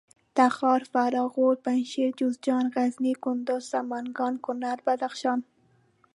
تخار فراه غور پنجشېر جوزجان غزني کندوز سمنګان کونړ بدخشان